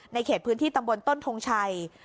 เขตพื้นที่ตำบลต้นทงชัย